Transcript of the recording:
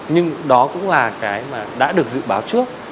nhưng đó cũng là cái mà đã được dự báo trước